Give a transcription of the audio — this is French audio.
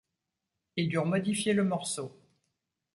Ils durent modifier le morceau.